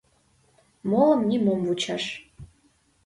Молым нимом вучаш.